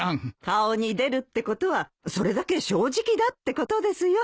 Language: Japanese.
顔に出るってことはそれだけ正直だってことですよ。